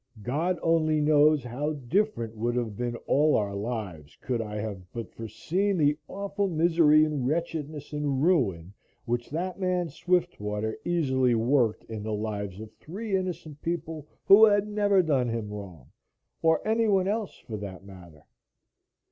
God only knows how different would have been all our lives could I but have foreseen the awful misery and wretchedness and ruin which that man Swiftwater easily worked in the lives of three innocent people who had never done him wrong, or anyone else, for that matter.